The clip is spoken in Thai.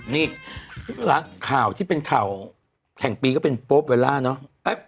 นี่หลังข่าวที่เป็นข่าวแห่งปีก็เป็นโป๊ปเวลาเนอะ